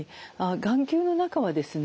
眼球の中はですね